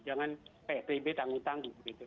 jangan psbb tangguh tangguh begitu